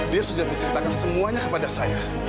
dia sudah menceritakan semuanya kepada saya